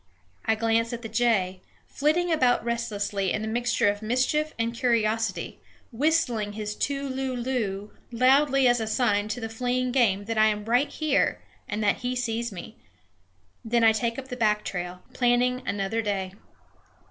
I glance at the jay, flitting about restlessly in a mixture of mischief and curiosity, whistling his too loo loo loudly as a sign to the fleeing game that I am right here and that he sees me. Then I take up the back trail, planning another day.